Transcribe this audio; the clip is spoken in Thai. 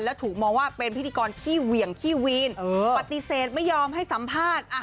แล้วถูกมองว่าเป็นพิธีกรขี้เหวี่ยงขี้วีนปฏิเสธไม่ยอมให้สัมภาษณ์